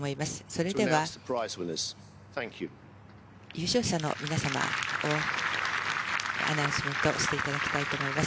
それでは優勝者の皆様をアナウンスメントしていただきたいと思います。